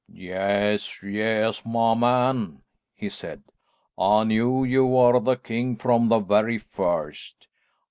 "Yes, yes, my man," he said, "I knew you were the king from the very first.